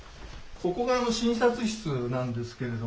ここが診察室なんですけれども。